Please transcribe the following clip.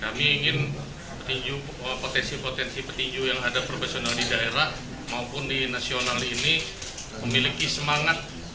kami ingin potensi potensi petinju yang ada profesional di daerah maupun di nasional ini memiliki semangat